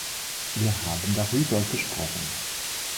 Wir haben darüber gesprochen.